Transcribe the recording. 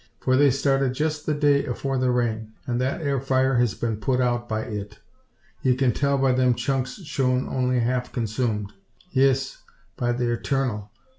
For they started jest the day afore the rain; and that ere fire hez been put out by it. Ye kin tell by them chunks showin' only half consoomed. Yis, by the Eturnal!